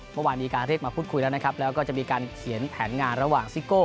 เมื่อวานมีการเรียกมาพูดคุยแล้วนะครับแล้วก็จะมีการเขียนแผนงานระหว่างซิโก้